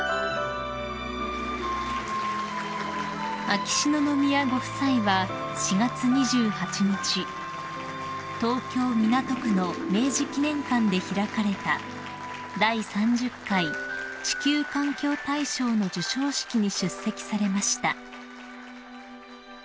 ［秋篠宮ご夫妻は４月２８日東京港区の明治記念館で開かれた第３０回地球環境大賞の授賞式に出席されました］